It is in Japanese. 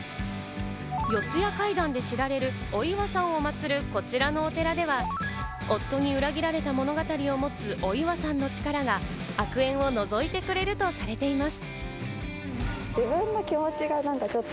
『四谷怪談』で知られるお岩さんをまつる、こちらのお寺では夫に裏切られた物語を持つお岩さんの力が悪縁を除いてくれるとされています。